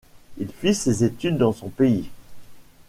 Il fit ses études dans son pays.